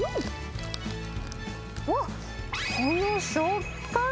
うわっ、この食感。